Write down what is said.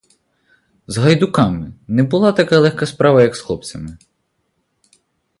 З гайдуками не була така легка справа, як з хлопцями.